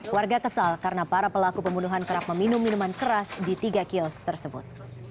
warga kesal karena para pelaku pembunuhan kerap meminum minuman keras di tiga kios tersebut